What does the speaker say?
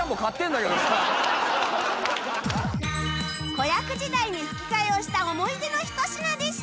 子役時代に吹き替えをした思い出のひと品でした